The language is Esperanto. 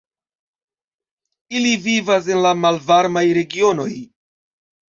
Ili vivas en la malvarmaj regionoj.